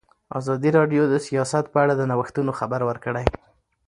ازادي راډیو د سیاست په اړه د نوښتونو خبر ورکړی.